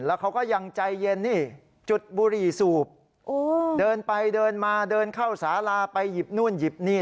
แล้วเขาก็ยังใจเย็นนี่จุดบุหรี่สูบเดินไปเดินมาเดินเข้าสาราไปหยิบนู่นหยิบนี่